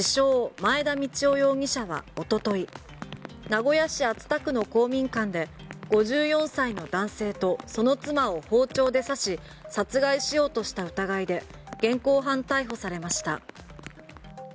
・前田道夫容疑者はおととい名古屋市熱田区の公民館で５４歳の男性とその妻を包丁で刺し殺害しようとした疑いで現行犯逮捕されました。